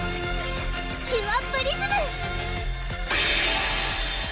キュアプリズム！